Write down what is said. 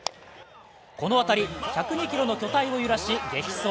この当たり、１０２ｋｇの巨体を揺らし激走。